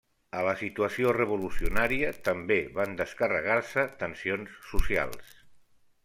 A la situació revolucionària també van descarregar-se tensions socials.